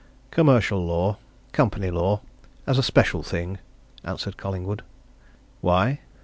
"Commercial law company law as a special thing," answered Collingwood. "Why?"